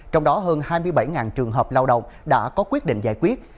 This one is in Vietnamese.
trong đó hơn hai mươi bảy trường hợp lao động đã có quyết định giải quyết